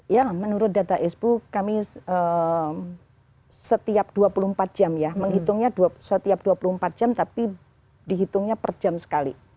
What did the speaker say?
ya menurut data icepu kami setiap dua puluh empat jam ya menghitungnya setiap dua puluh empat jam tapi dihitungnya per jam sekali